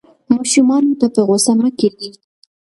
ماشومانو ته په غوسه مه کېږئ.